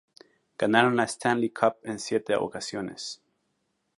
Ganaron la Stanley Cup en siete ocasiones.